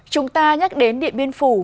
chúng ta nhắc đến điện biên phủ